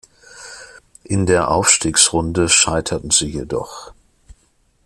In der Aufstiegsrunde scheiterten sie jedoch.